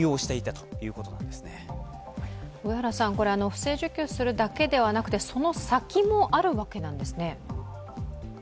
不正受給するだけではなくて、その先もあるわけなんですね。